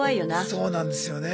そうなんですよね。